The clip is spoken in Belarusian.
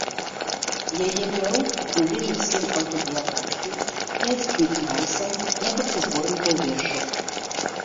Яе пяру належыць сем аўтабіяграфіі, пяць кніг нарысаў, некалькі зборнікаў вершаў.